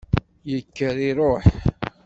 Yekker iruḥ.